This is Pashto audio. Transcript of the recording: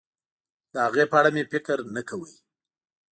د هغې په اړه مې فکر نه کاوه.